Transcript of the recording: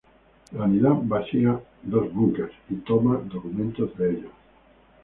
La unidad vacía dos búnkers y toma documentos de ellos.